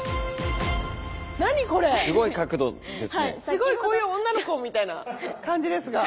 すごいこういう女の子みたいな感じですが。